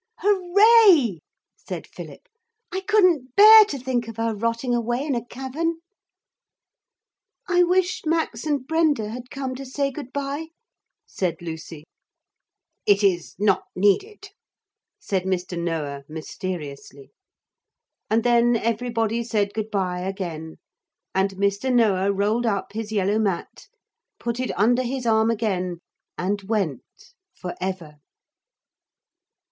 'Hooray!' said Philip. 'I couldn't bear to think of her rotting away in a cavern.' 'I wish Max and Brenda had come to say good bye,' said Lucy. 'It is not needed,' said Mr. Noah mysteriously. And then everybody said good bye again, and Mr. Noah rolled up his yellow mat, put it under his arm again, and went for ever.